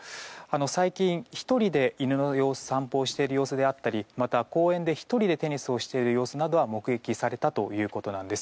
最近、１人で犬の散歩をしている様子であったりまた、公園で１人でテニスをしている様子などは目撃されたということなんです。